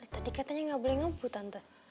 tadi katanya gak boleh ngebut tante